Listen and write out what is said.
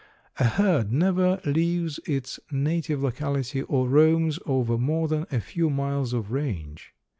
A herd never leaves its native locality or roams over more than a few miles of range.